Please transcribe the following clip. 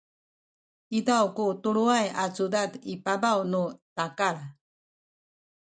izaw ku tuluay a cudad i pabaw nu takal